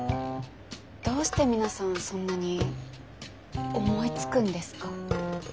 どうして皆さんそんなに思いつくんですか？